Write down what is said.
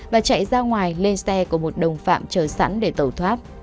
và chạy ra ngoài lên xe của một đồng phạm chờ sẵn để tẩu thoát